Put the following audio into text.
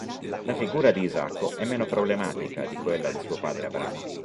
La figura di Isacco è meno problematica di quella di suo padre Abramo.